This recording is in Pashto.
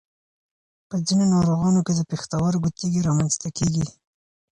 په ځینو ناروغانو کې د پښتورګو تېږې رامنځته کېږي.